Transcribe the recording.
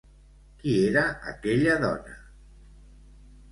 Qui era aquella dona?